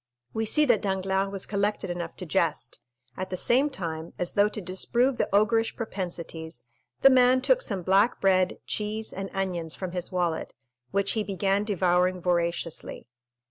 We see that Danglars was collected enough to jest; at the same time, as though to disprove the ogreish propensities, the man took some black bread, cheese, and onions from his wallet, which he began devouring voraciously.